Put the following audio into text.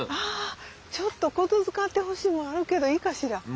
あちょっと言づかってほしいもんあるけどいいかしら？